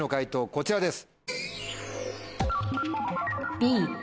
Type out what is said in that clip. こちらです。